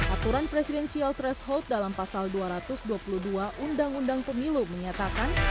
aturan presidensial threshold dalam pasal dua ratus dua puluh dua undang undang pemilu menyatakan